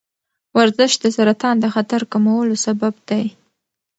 ورزش د سرطان د خطر کمولو سبب دی.